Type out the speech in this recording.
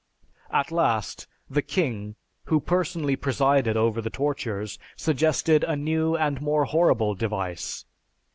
At last, the king (who personally presided over the tortures) suggested a new and more horrible device.